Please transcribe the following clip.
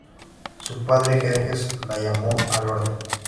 Su padre Jerjes la llamó al orden.